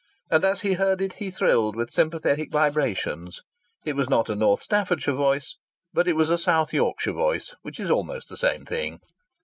And as he heard it he thrilled with sympathetic vibrations. It was not a North Staffordshire voice, but it was a South Yorkshire voice, which is almost the same thing.